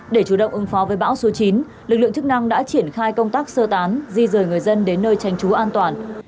để chủ động ứng phó với bão số chín lực lượng chức năng đã triển khai công tác sơ tán di rời người dân đến nơi tránh trú an toàn